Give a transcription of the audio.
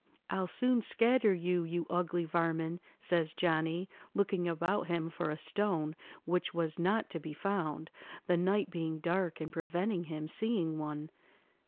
"'I'll soon scatter you, you ugly varmin,' says Johnny, looking about him for a stone, which was not to be found, the night being dark and preventing him seeing one.